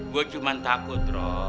gua cuma takut roh